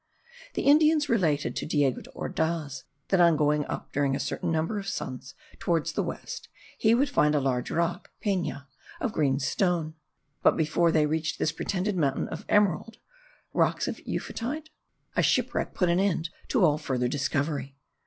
The Indians related to Diego de Ordaz that on going up during a certain number of suns toward the west, he would find a large rock (pena) of green stone; but before they reached this pretended mountain of emerald (rocks of euphotide?) a shipwreck put an end to all farther discovery.